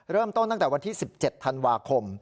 เริ่มต้นตั้งแต่วันที่๑๗ธันวาคม